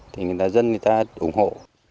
thì dân người ta ủng hộ